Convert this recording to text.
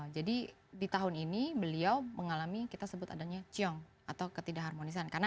jadi di tahun ini beliau mengalami kita sebut adanya ciong atau ketidak harmonisan